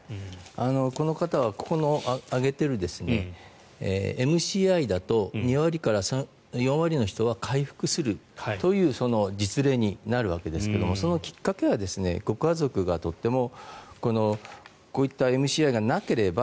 この方はここに挙げているＭＣＩだと２割から４割の人が回復するという実例になるわけですが、そのきっかけはご家族がとてもこういったＭＣＩがなければ